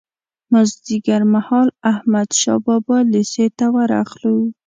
مازیګر مهال احمدشاه بابا لېسې ته ورغلو.